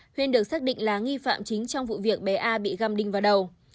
huyên được xác định là nghi phạm chính trong vụ việc bé a bị găm đinh vào đầu